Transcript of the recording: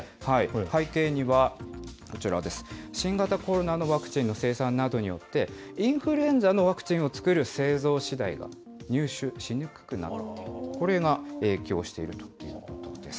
背景には、こちらです、新型コロナのワクチンの生産などによって、インフルエンザのワクチンを作る製造資材が入手しにくくなったと、これが影響しているということなんです。